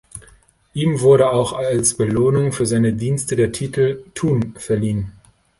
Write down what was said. Ihm wurde auch als Belohnung für seine Dienste der Titel Tun verliehen.